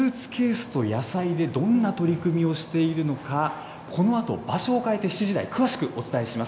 スーツケースと野菜でどんな取り組みをしているのか、このあと場所を変えて７時台、詳しくお伝えします。